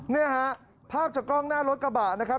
เนี่ยฮะภาพจากกล้องหน้ารถกระบะนะครับ